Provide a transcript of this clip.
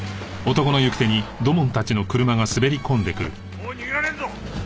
もう逃げられんぞ！